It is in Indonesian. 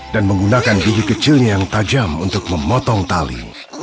dan menggunakan gigi kecilnya yang tajam untuk memotong tali